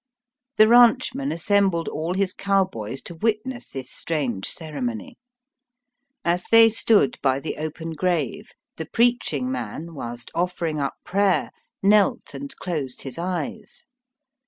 The rancheman assembled all his cow boys to witness this strange ceremony. As they stood by the open grave the preaching man, whilst offering up prayer, knelt and closed his eyes.